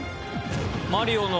マリオの。